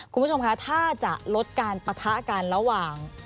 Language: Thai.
คุณผู้ชมคะถ้าจะลดการปะทะกันระหว่าง